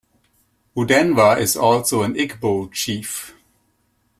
Udenwa is also an Igbo chief.